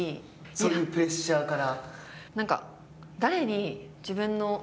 そういうプレッシャーから。